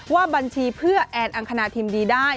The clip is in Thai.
ว่าบัญชีเพื่อแอนอังคณาทิมดีได้